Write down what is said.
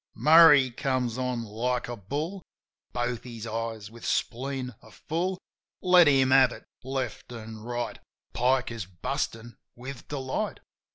Murray comes on like a bull; Both his eyes with spleen are full. Let him have it — left an' right. ... Pike is bustin' with delight.